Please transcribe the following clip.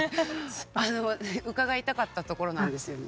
あの伺いたかったところなんですよね。